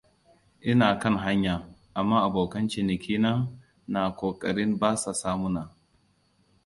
Ina kan hanya, amma abokan ciniki na, na korafin basa samuna.